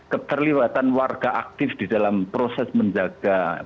keterlihatan warga aktif di dalam proses menjaga publik